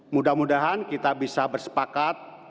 mudah mudahan kita bisa bersepakat